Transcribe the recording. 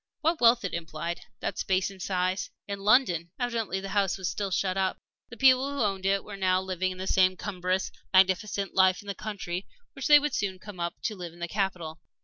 What wealth it implied that space and size, in London! Evidently the house was still shut up. The people who owned it were now living the same cumbrous, magnificent life in the country which they would soon come up to live in the capital.